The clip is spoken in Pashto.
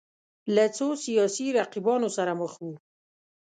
له څو سیاسي رقیبانو سره مخ وو